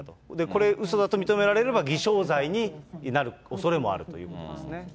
これ、うそだと認められれば、偽証罪になるおそれもあるということです